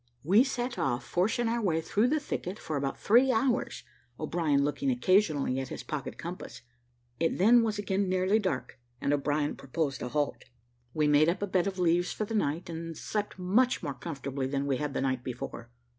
We set off, forcing our way through the thicket, for about three hours, O'Brien looking occasionally at his pocket compass; it then was again nearly dark, and O'Brien proposed a halt. We made up a bed of leaves for the night, and slept much more comfortably than we had the night before.